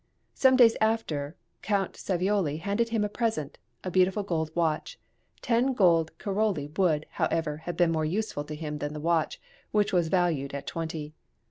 Some days after, Count Savioli handed him his present, a beautiful gold watch; ten gold caroli would, however, have been more useful to him than the watch, which was valued at twenty.